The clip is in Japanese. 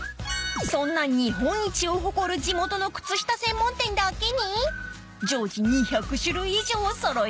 ［そんな日本一を誇る地元の靴下専門店だけに常時２００種類以上を揃えてます］